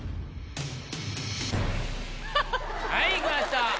はい来ました！